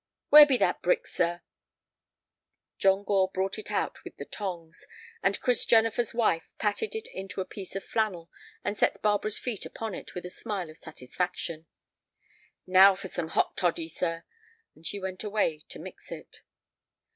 "Where be that brick, sir?" John Gore brought it out with the tongs, and Chris Jennifer's wife patted it into a piece of flannel and set Barbara's feet upon it with a smile of satisfaction. "Now for some hot toddy, sir." And she went away to mix it.